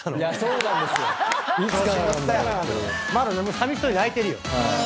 さみしそうに泣いてるよ。